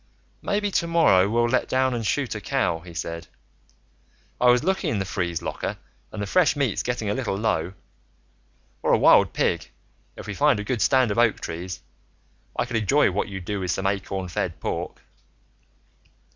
"Maybe tomorrow, we'll let down and shoot a cow," he said. "I was looking in the freeze locker and the fresh meat's getting a little low. Or a wild pig, if we find a good stand of oak trees. I could enjoy what you'd do with some acorn fed pork."